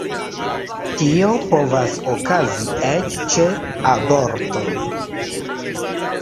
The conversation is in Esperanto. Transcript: Tio povas okazi eĉ ĉe aborto.